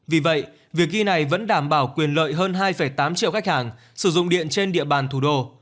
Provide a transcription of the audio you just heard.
vì vậy việc ghi này vẫn đảm bảo quyền lợi hơn hai tám triệu khách hàng sử dụng điện trên địa bàn thủ đô